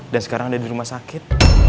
dan sekarang ada di rumah sakit